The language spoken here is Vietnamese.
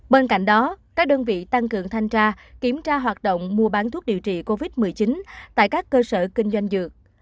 bên cạnh đó các đơn vị tăng cường thanh tra kiểm tra hoạt động mua bán thuốc điều trị covid một mươi chín tại các cơ sở kinh doanh dược